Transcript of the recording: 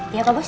isi pak bos